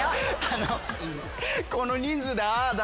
この人数でああだ